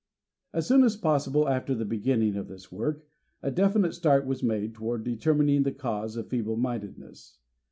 As soon as possible after the beginning of this work, a definite start was made toward determining the cause of feeble mindedness.